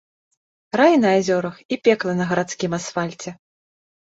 Рай на азёрах і пекла на гарадскім асфальце.